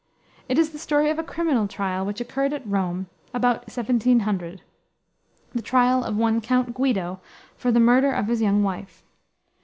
It is the story of a criminal trial which occurred at Rome about 1700, the trial of one Count Guido for the murder of his young wife.